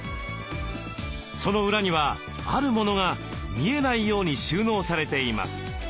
その裏にはあるモノが見えないように収納されています。